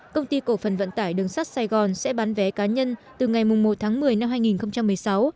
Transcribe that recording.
công ty cổ phần vận tải đường sắt sài gòn sẽ bán vé cá nhân từ ngày một tháng một mươi năm hai nghìn một mươi sáu